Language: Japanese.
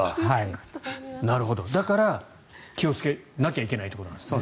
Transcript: だから、気をつけなきゃいけないってことなんですね。